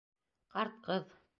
Ҡарт ҡыҙ.